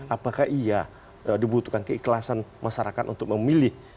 apakah iya dibutuhkan keikhlasan masyarakat untuk memilih